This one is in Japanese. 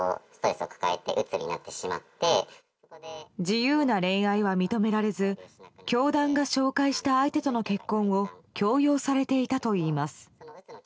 自由な恋愛は認められず教団が紹介した相手との結婚を強要されていたといいます。